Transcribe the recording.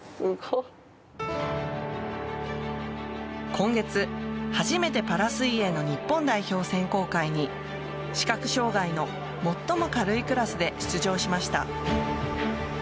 今月、初めてパラ水泳の日本代表選考会に視覚障害の最も軽いクラスで出場しました。